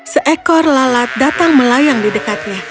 seekor lalat datang melayang di dekatnya